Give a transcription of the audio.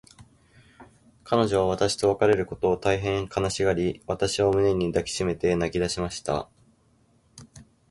彼女は私と別れることを、大へん悲しがり、私を胸に抱きしめて泣きだしました。